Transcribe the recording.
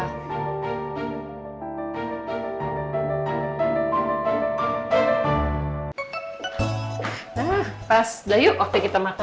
nah pas udah yuk waktu kita makan